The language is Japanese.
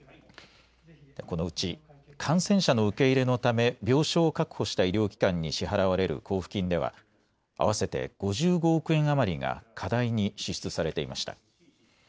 このうち感染者の受け入れのため病床を確保した医療機関に支払われる交付金では合わせて５５億円余りが過大に支出されていました。